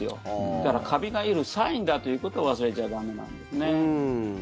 だからカビがいるサインだということを忘れちゃ駄目なんですね。